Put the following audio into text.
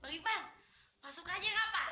bang iban masuk aja kakak